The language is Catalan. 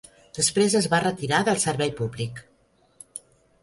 Després es va retirar del servei públic.